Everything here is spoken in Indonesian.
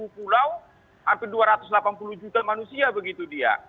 sepuluh pulau hampir dua ratus delapan puluh juta manusia begitu dia